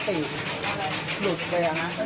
ก็แค่มีเรื่องเดียวให้มันพอแค่นี้เถอะ